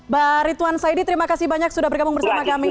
mbak rituan saidi terima kasih banyak sudah bergabung bersama kami